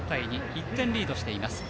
１点リードしています。